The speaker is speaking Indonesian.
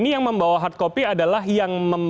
ini yang membawa hard copy adalah yang membawa hard copy